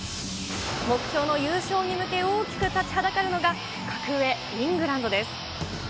目標の優勝に向け、大きく立ちはだかるのが、格上、イングランドです。